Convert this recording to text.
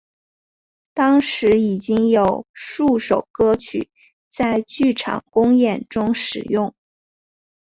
当时已经有数首歌曲在剧场公演中使用。